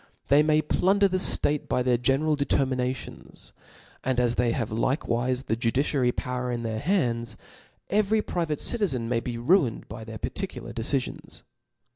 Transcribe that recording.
They may plunder tbt ftate by their general determinations ; and as they have likewife the judiciary power in their hands, fvcry private citizen may be ruined by their par ticular decifions.